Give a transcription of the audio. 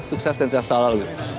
sukses dan sajalah